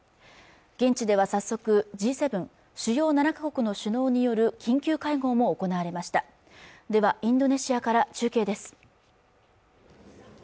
現地では早速Ｇ７＝主要７か国の首脳による緊急会合も行われましたインドネシアから中継です